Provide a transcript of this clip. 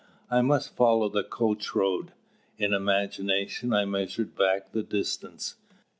I must follow the coach road. In imagination I measured back the distance.